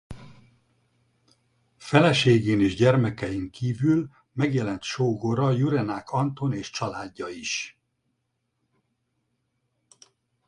Feleségén és gyermekein kívül megjelent sógora Jurenák Anton és családja is.